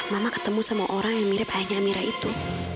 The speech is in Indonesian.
mama ketemu sama orang yang mirip hanya amira itu